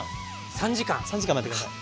３時間待って下さい。